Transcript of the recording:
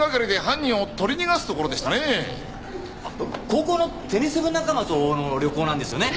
高校のテニス部仲間との旅行なんですよね。